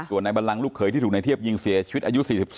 ส่วนในบัลลังลูกเขยที่ถูกในเทียบยิงเสียชีวิตอายุ๔๒